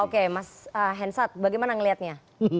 oke mas hensat bagaimana melihatnya